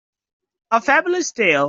A Fabulous tale.